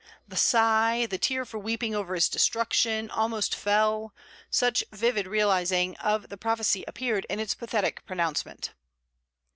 The sigh, the tear for weeping over his destruction, almost fell, such vivid realizing of the prophesy appeared in its pathetic pronouncement.